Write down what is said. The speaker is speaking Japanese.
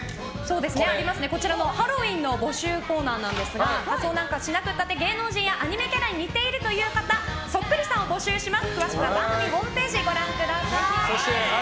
ハロウィーンの募集コーナーなんですが仮装なんかしなくたって芸能人やアニメキャラに似ているという方そっくりさんを募集します。